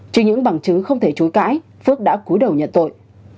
trên những bằng chứ không thể chúi cãi phước đã cúi đầu nhận tội